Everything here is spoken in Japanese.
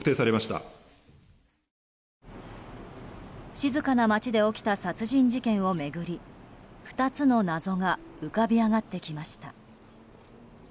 静かな町で起きた殺人事件を巡り２つの謎が浮かび上がってきました。